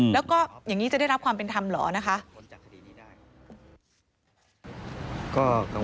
แล้วก็อย่างนี้จะได้รับความเป็นธรรมเหรอนะคะ